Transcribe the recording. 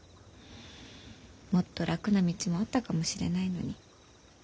もっと楽な道もあったかもしれないのに。